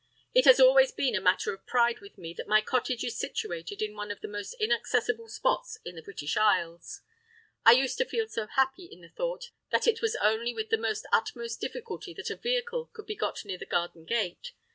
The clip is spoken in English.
It has always been a matter of pride with me that my cottage is situated in one of the most inaccessible spots in the British Isles; I used to feel so happy in the thought that it was only with the utmost difficulty that a vehicle could be got near the garden gate.